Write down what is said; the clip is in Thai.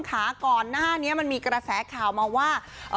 ก่อนหน้านี้มันมีกระแสข่าวมาว่า